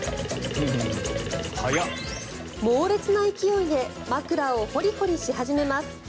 猛烈な勢いで枕をホリホリし始めます。